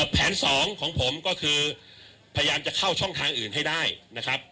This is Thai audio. แผนสองของผมก็คือพยายามจะเข้าช่องทางอื่นให้ได้นะครับ